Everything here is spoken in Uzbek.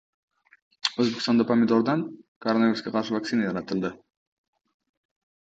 O‘zbekistonda pomidordan koronavirusga qarshi vaksina yaratildi